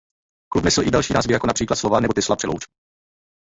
Klub nesl i další názvy jako například Slovan nebo Tesla Přelouč.